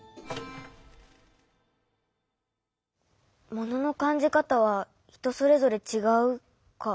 「もののかんじかたはひとそれぞれちがう」か。